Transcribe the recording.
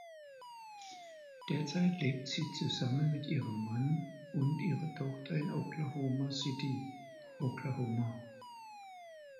Derzeit lebt sie zusammen mit ihrem Mann und ihrer Tochter in Oklahoma City, Oklahoma.